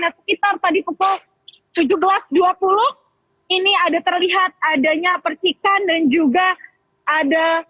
sekitar tadi pukul tujuh belas dua puluh ini ada terlihat adanya percikan dan juga ada